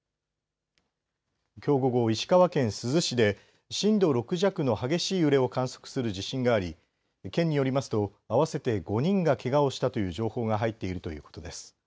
きょう午後、石川県珠洲市で震度６弱の激しい揺れを観測する地震があり県によりますと合わせて５人がけがをしたという情報が入っているということです。